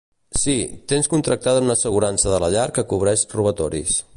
Sí, tens contractada una assegurança de la llar que cobreix robatoris.